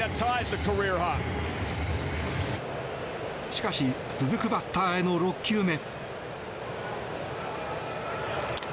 しかし続くバッターへの６球目。